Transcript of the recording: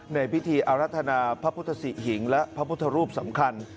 ในพิธีอรัฐนาพระพุทธศิหิงและพระพุทธรูปสำคัญ